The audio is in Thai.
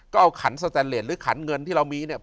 ก็เอาขันสแตนเลสหรือขันเงินที่เรามีเนี่ย